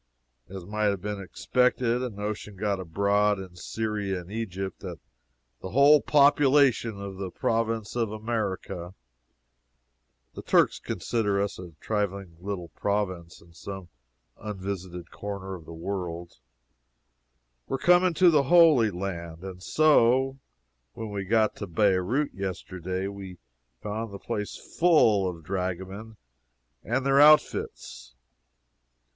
As might have been expected, a notion got abroad in Syria and Egypt that the whole population of the Province of America (the Turks consider us a trifling little province in some unvisited corner of the world,) were coming to the Holy Land and so, when we got to Beirout yesterday, we found the place full of dragomen and their outfits.